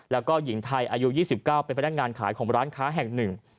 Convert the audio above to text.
แล้วก็หญิงไทยอายุ๒๙เป็นพนักงานขายของร้านค้าแห่งหนึ่ง